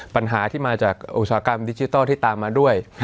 ปัญหาที่มาจากอุตสาหกรรมดิจิทัลที่ตามมาด้วย